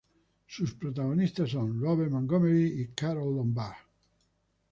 Sus protagonistas, son Robert Montgomery y Carole Lombard.